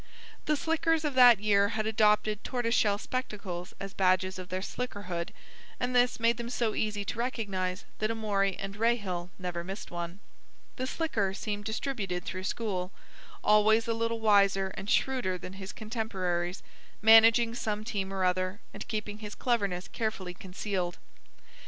The slickers of that year had adopted tortoise shell spectacles as badges of their slickerhood, and this made them so easy to recognize that Amory and Rahill never missed one. The slicker seemed distributed through school, always a little wiser and shrewder than his contemporaries, managing some team or other, and keeping his cleverness carefully concealed.